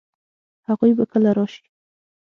هغوی به کله راشي؟